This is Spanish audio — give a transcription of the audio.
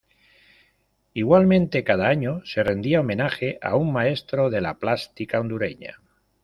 Igualmente, cada año se rendía homenaje a un maestro de la plástica hondureña.